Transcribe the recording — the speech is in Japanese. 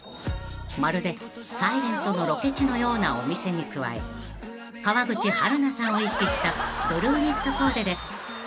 ［まるで『ｓｉｌｅｎｔ』のロケ地のようなお店に加え川口春奈さんを意識したブルーニットコーデで］